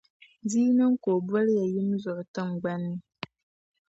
Di yi ti niŋ ka O boliya yim zuɣu tiŋgbani ni.